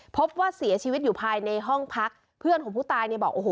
พบว่าเสียชีวิตอยู่ภายในห้องพักเพื่อนของผู้ตายเนี่ยบอกโอ้โห